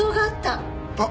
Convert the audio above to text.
あっ。